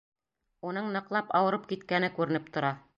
Уның ныҡлап ауырып киткәне күренеп тора.